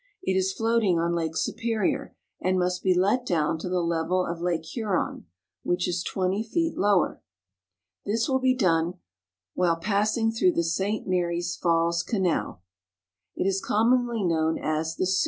It is floating on Lake Superior, and must be let down to the level of Lake Huron, which is twenty feet lower. This will be done while passing through the St. Marys Falls Canal. It is commonly known as the " Soo " Canal, s 1 r